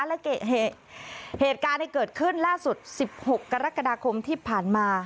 และเหตุการณ์ที่เกิดขึ้นล่าสุด๑๖กรกฎาคมที่ผ่านมา